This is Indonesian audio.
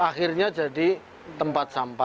akhirnya jadi tempat sampah